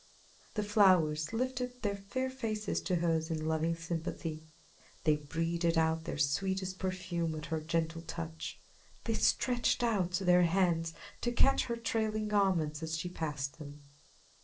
The flowers lifted their fair faces to hers in loving sympathy. They breathed out their sweetest perfume at her gentle touch. They stretched out their hands to catch her trailing garments as she passed them.